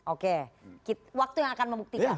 oke waktu yang akan membuktikan